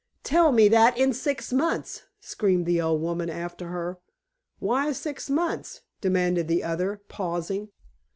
"Tell me that in six months," screamed the old woman after her. "Why six months?" demanded the other, pausing.